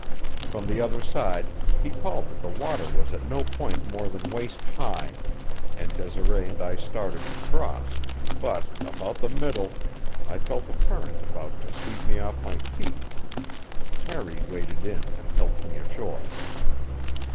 From the other side he called that the water was at no point more than waist high, and Desiree and I started to cross; but about the middle I felt the current about to sweep me off my feet. Harry waded in and helped me ashore.